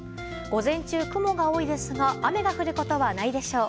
午前中、雲が多いですが雨が降ることはないでしょう。